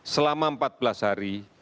selama empat belas hari